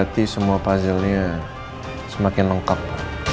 berarti semua puzzle nya semakin lengkap